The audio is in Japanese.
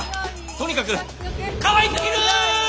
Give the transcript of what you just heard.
とにかくかわいすぎる！